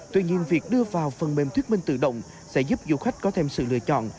tuy nhiên việc đưa vào phần mềm thuyết minh tự động sẽ giúp du khách có thêm sự lựa chọn